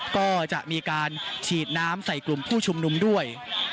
ก็จะมีการฉีดน้ำใส่กลุ่มผู้ชุมนุมด้วย